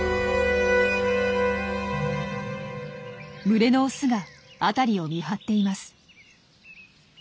群れのオスが辺りを見張っています。